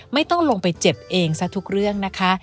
ไม่ต้องลงไปเจ็บเองซะทุกเรื่องนะคะ